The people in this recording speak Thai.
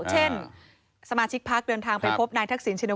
เช่นสมาชิกพักเดินทางไปพบนายทักษิณชินโ